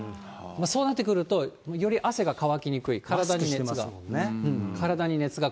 そうなってくると、より汗が乾きにくい、体に熱が。